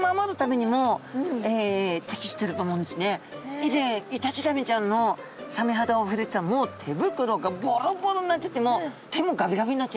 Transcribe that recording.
以前イタチザメちゃんのサメ肌を触れてたらもう手袋がボロボロになっちゃってもう手もガビガビになっちゃいました。